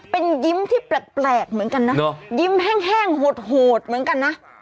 เป็นยิ้มที่แปลกเหมือนกันนะยิ้มแห้งโหดเหมือนกันนะ